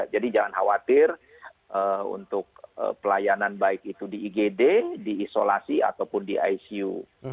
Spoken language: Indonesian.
jadi jangan khawatir untuk pelayanan baik itu di igd di isolasi ataupun di icu